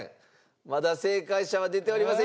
まだ正解者は出ておりません。